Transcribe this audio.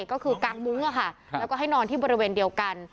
ก็คือกางมุ้งแล้วก็ให้นอนที่บริเวณเดียวกัน